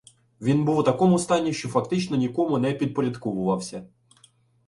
Він був у такому стані, що фактично нікому не підпорядковувався.